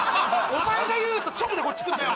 お前がいうと直でこっちくんだよ